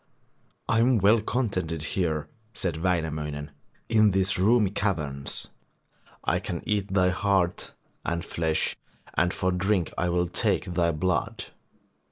'I am well contented here,' said Wainamoinen, 'in these roomy caverns. I can eat thy heart and flesh and for drink I will take thy blood.